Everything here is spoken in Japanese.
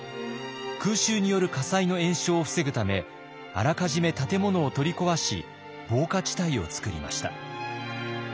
空襲による火災の延焼を防ぐためあらかじめ建物を取り壊し防火地帯を作りました。